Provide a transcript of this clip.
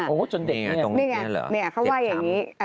โอ้โฮจนเด็กอย่างนี้หรือเปล่าเด็กทำนี่ไงเขาว่าอย่างนี้